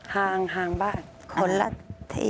ห่างบ้านคนละที